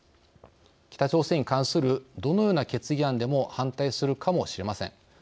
北朝鮮に関するどのような決議案でも反対するかもしれません。